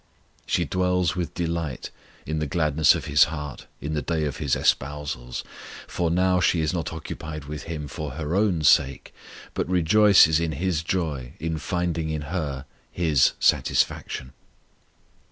She dwells with delight on the gladness of His heart in the day of His espousals, for now she is not occupied with Him for her own sake, but rejoices in His joy in finding in her His satisfaction.